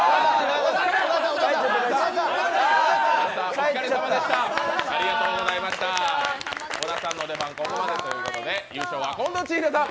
お疲れさまでした、小田さんの出番はここまでということで優勝は近藤千尋さん